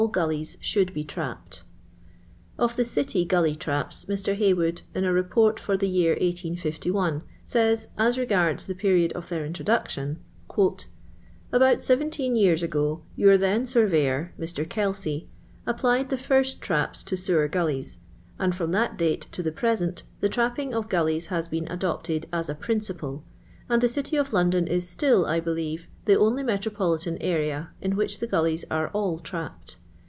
Kiillii's shiiuld l>e trapped. Of ihc'L'itVKuHy traps, Mr. llarwood, in a report for the year 18l;l, kivs, ns rcg .irds the period of their introduction :—" About seventeen years ago your then surveyor (Mr. Kelsey) applied the first tmp« to feewrer gullies, and from that date to the present the trapping of gullies has been adopted at a principle, and the city of London is still, I believe, the only metro politan area in which the gullies are all trapped.